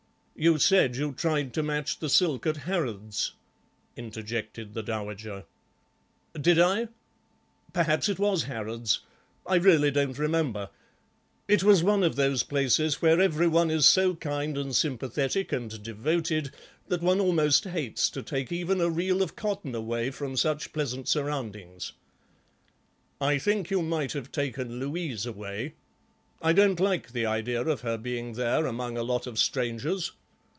"You said you tried to match the silk at Harrod's," interjected the dowager. "Did I? Perhaps it was Harrod's. I really don't remember. It was one of those places where every one is so kind and sympathetic and devoted that one almost hates to take even a reel of cotton away from such pleasant surroundings." "I think you might have taken Louise away. I don't like the idea of her being there among a lot of strangers.